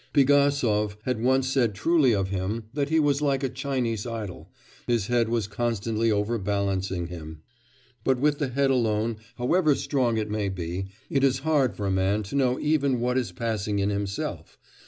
Pigasov had once said truly of him, that he was like a Chinese idol, his head was constantly overbalancing him. But with the head alone, however strong it may be, it is hard for a man to know even what is passing in himself....